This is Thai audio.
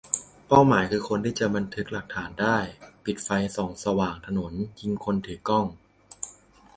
เป้าหมายคือ คนที่จะบันทึกหลักฐานได้ ? ปิดไฟส่องสว่างถนน ยิงคนถือกล้อง ?